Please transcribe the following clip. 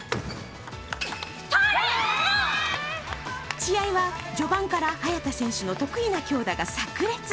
試合は序盤から早田選手の得意な強打がさく裂。